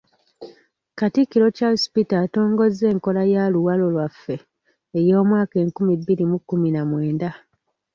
Katikkiro Charles Peter atongozza enkola ya Luwalo Lwaffe ey'omwaka enkumi bbiri mu kkumi na mwenda.